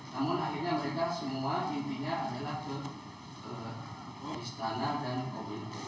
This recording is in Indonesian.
namun akhirnya mereka semua intinya adalah ke istana dan kominfo